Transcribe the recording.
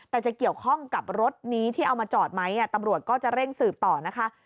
แต่จะเกี่ยวข้องกับรถนี้ที่เอามาจอดไหมตำรวจก็จะเร่งสืบต่อนะคะ